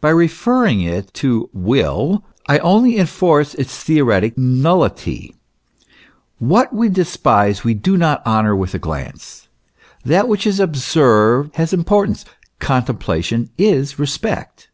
By referring it to Will I only enforce its theoretic nullity. What we despise we do not honour with a glance : that which is observed has im THE SIGNIFICANCE OF THE CREATION. 115 portance : contemplation is respect.